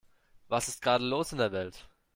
Was ist gerade los in der Welt?